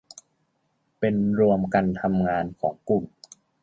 เป็นรวมกันทำงานของกลุ่ม